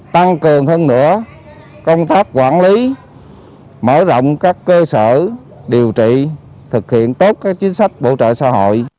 tăng cường hơn nữa công tác quản lý mở rộng các cơ sở điều trị thực hiện tốt các chính sách bổ trợ xã hội